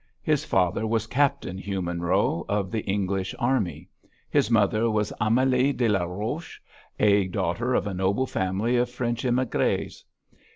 His father was Captain Hugh Monroe, of the English army; his mother was Amélie de la Roche, a daughter of a noble family of French émigrés.